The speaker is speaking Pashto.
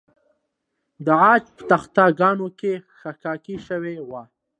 د عاج په تخته ګانو کې حکاکي شوې وه